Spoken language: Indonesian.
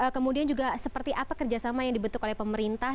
kemudian juga seperti apa kerjasama yang dibentuk oleh pemerintah